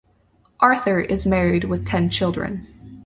Arthur is married with ten children.